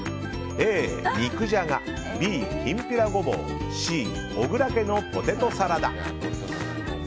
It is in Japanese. Ａ、肉じゃがＢ、きんぴらごぼうＣ、小倉家のポテトサラダ。